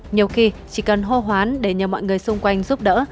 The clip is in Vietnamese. nhiều khi chỉ cần hô hoán để nhờ mọi người xung quanh giúp đỡ